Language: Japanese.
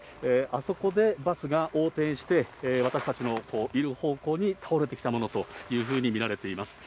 あそこでバスが横転して、私たちのいる方向に倒れてきたのだというふうに見られています。